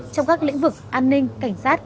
trong các lĩnh vực an ninh cảnh sát